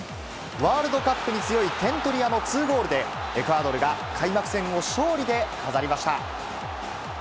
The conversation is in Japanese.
ワールドカップに強い点取り屋の２ゴールで、エクアドルが開幕戦を勝利で飾りました。